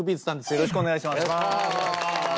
よろしくお願いします。